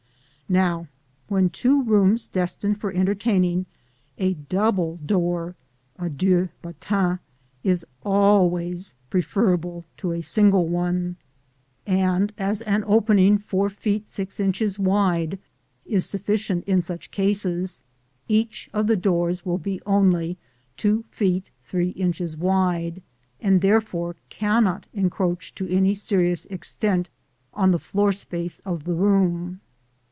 Now, between two rooms destined for entertaining, a double door (à deux battants) is always preferable to a single one; and as an opening four feet six inches wide is sufficient in such cases, each of the doors will be only two feet three inches wide, and therefore cannot encroach to any serious extent on the floor space of the room.